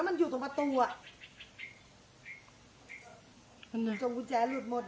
เอากุญแจด้วย